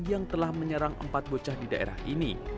yang telah menyerang empat bocah di daerah ini